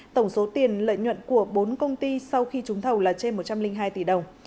tổng số tiền lợi nhuận của bốn công ty sau khi trúng thầu là trên một trăm linh hai tỷ đồng